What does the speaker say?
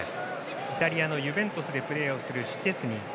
イタリアのユベントスでプレーする、シュチェスニー。